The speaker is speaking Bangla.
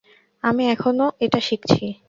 আমি এখনো এটা শিখছি।